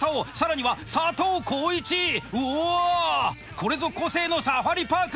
これぞ個性のサファリパーク！